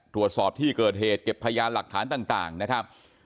ตรวจสอบที่เกิดเหตุเก็บพยานหลักฐานต่างนะครับ